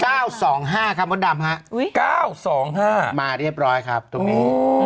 เก้าสองห้าครับบนดำฮะอุ๊ยเก้าสองห้ามาเรียบร้อยครับโอ้อืม